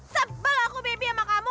sebel aku baby sama kamu